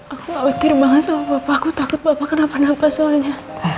aku gak khawatir banget sama bapak aku takut bapak akan apa apa soalnya